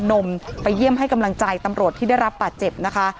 นมไปเยี่ยมให้กำลังใจตำรวจที่ได้รับบาดเจ็บนะคะ